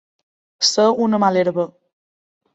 Ser una mala herba.